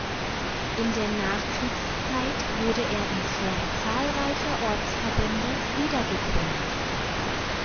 In der Nachkriegszeit wurde er in Form zahlreicher Ortsverbände wiedergegründet.